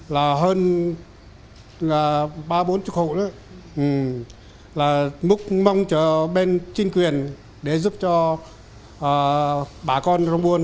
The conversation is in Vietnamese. là múc mong cho bên chính quyền để giúp cho bà con rong buôn